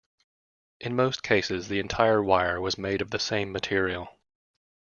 In most cases the entire wire was made of the same material.